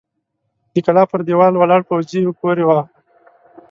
د کلا پر دېوال ولاړ پوځي يې پورې واهه!